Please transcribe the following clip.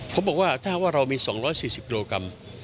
ผมบอกว่าถ้าว่าเรามี๒๔๐กิโลกรัม